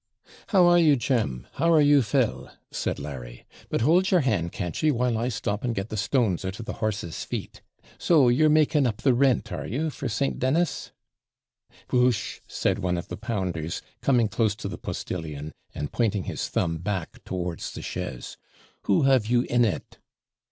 'How are you, Jem? How are you, Phil?' said Larry. 'But hold your hand, can't ye, while I stop and get the stones out of the horses' FEET. So you're making up the rent, are you, for St. Dennis?' 'Whoosh!' said one of the pounders, coming close to the postillion, and pointing his thumb back towards the chaise. 'Who have you in it?'